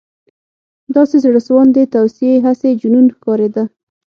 • داسې زړهسواندې توصیې، هسې جنون ښکارېده.